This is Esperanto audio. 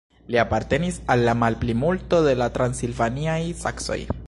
Li apartenis al la malplimulto de la transilvaniaj saksoj.